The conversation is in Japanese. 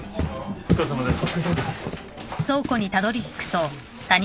お疲れさまです。